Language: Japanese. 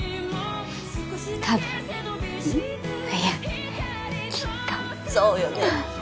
たぶんいやきっとそうよね